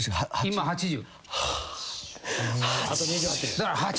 今８０。